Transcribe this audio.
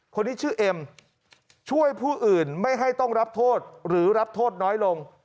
คนนี้ชื่อเอ็มช่วยผู้อื่นไม่ให้ต้องรับโทษหรือรับโทษน้อยลง